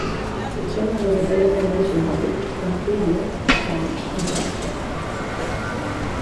The channel was available nationwide, on Freeview, Sky and Telstra.